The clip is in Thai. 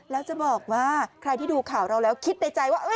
แล้วจะบอกว่าใครที่ดูข่าวเราแล้วคิดในใจว่า